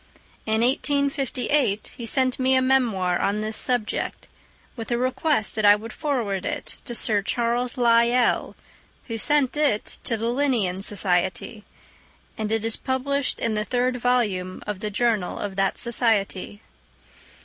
In 1858 he sent me a memoir on this subject, with a request that I would forward it to Sir Charles Lyell, who sent it to the Linnean Society, and it is published in the third volume of the Journal of that Society.